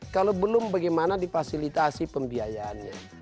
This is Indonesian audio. kalau belum bagaimana difasilitasi pembiayaannya